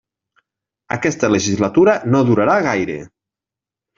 Aquesta legislatura no durarà gaire.